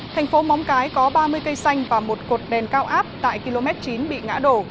thành phố móng cái có ba mươi cây xanh và một cột đèn cao áp tại km chín bị ngã đổ